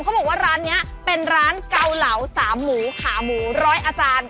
เขาบอกว่าร้านนี้เป็นร้านเกาเหลาสามหมูขาหมูร้อยอาจารย์